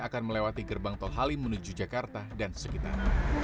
akan melewati gerbang tol halim menuju jakarta dan sekitar